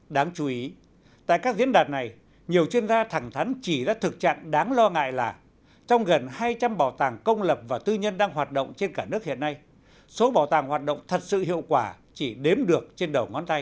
đáng chú ý tại các diễn đàn này nhiều chuyên gia thẳng thắn chỉ ra thực trạng đáng lo ngại là trong gần hai trăm linh bảo tàng công lập và tư nhân đang hoạt động trên cả nước hiện nay số bảo tàng hoạt động thật sự hiệu quả chỉ đếm được trên đầu ngón tay